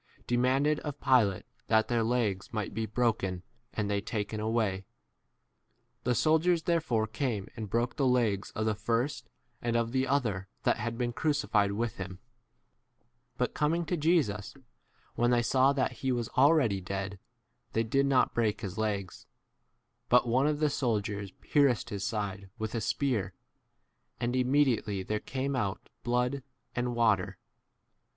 demanded of Pilate that their legs might be 32 broken and they taken away. The soldiers therefore came and broke the legs of the first and of the other that had been crucified with 33 him ; but coming to Jesus, when they saw that he was already dead, 34 they did not break his legs, but one of the soldiers pierced his side with a spear, and immediately there came out blood and water.